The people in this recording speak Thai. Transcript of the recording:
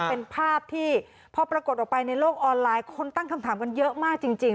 เป็นภาพที่พอปรากฏออกไปในโลกออนไลน์คนตั้งคำถามกันเยอะมากจริง